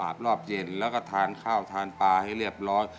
รอบเย็นแล้วก็ทานข้าวทานปลาให้เรียบร้อย